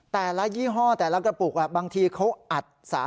ยี่ห้อแต่ละกระปุกบางทีเขาอัด๓